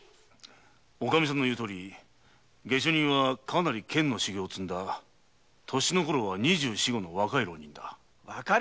おカミさんの言うとおり下手人はかなり剣の修行を積んだ年のころは二十四五の若い浪人だ。